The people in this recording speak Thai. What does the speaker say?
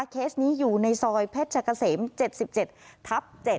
เคสนี้อยู่ในซอยเพชรกะเสม๗๗ทับ๗